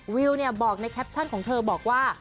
วิวบอกในแคปชั่นของเธอบอกว่า